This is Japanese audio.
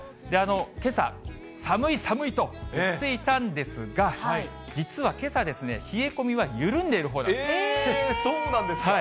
けさ、寒い寒いと言っていたんですが、実はけさですね、冷え込みは緩んでいるほうなんです。